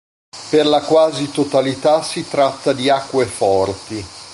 Per la quasi totalità si tratta di acqueforti.